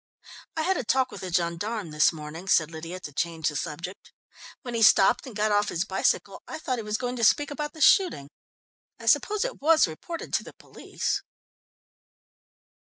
"I had a talk with a gendarme this morning," said Lydia to change the subject. "When he stopped and got off his bicycle I thought he was going to speak about the shooting. I suppose it was reported to the police?"